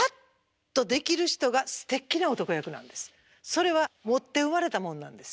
それは持って生まれたもんなんです。